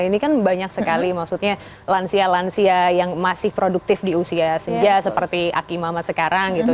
ini kan banyak sekali maksudnya lansia lansia yang masih produktif di usia senja seperti aki mama sekarang gitu